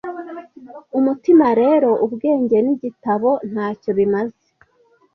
umutima rero ubwenge nigitabo ntacyo bimaze